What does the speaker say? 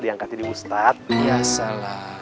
diangkatin ustadz biasalah